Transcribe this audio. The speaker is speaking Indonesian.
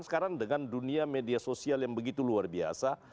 sekarang dengan dunia media sosial yang begitu luar biasa